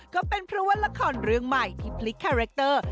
ก็เป็นเพราะว่าละครเรื่องใหม่ที่พลิกคาแรคเตอร์